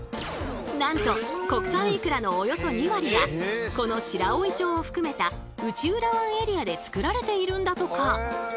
なんと国産いくらのおよそ２割がこの白老町を含めた内浦湾エリアで作られているんだとか。